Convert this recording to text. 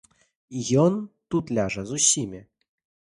І ён тут ляжа з усімі.